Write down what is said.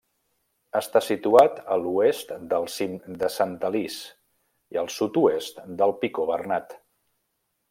Està situat a l'oest del cim de Sant Alís, i al sud-oest del Picó Bernat.